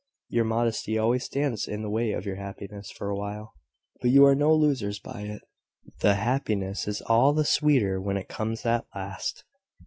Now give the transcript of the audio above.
Your modesty always stands in the way of your happiness for a while: but you are no losers by it. The happiness is all the sweeter when it comes at last."